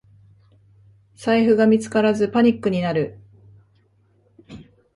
財布が見つからずパニックになる